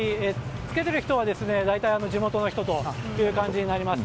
着けている人は大体地元の人という感じになります。